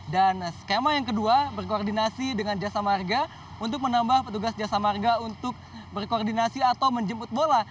dan skema yang kedua berkoordinasi dengan jasa marga untuk menambah petugas jasa marga untuk berkoordinasi atau menjemput bola